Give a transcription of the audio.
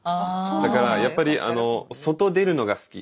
だからやっぱり外出るのが好き。